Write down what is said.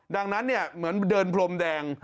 ดังนั้นเนี่ยเหมือนเดินพรมแดง